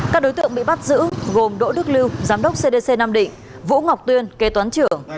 các đối tượng bị bắt giữ gồm đỗ đức lưu giám đốc cdc nam định vũ ngọc tuyên kế toán trưởng